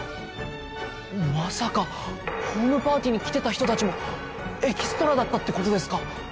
まさかホームパーティーに来てた人たちもエキストラだったって事ですか？